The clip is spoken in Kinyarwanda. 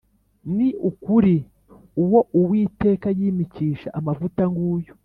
Ni ukuri uwo uwiteka yimikisha amavuta nguyu